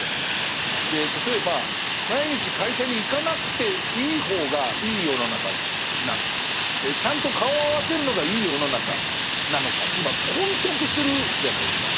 例えば毎日会社に行かなくていい方がいい世の中なのかちゃんと顔を合わせるのがいい世の中なのかって今混沌としてるじゃないですか。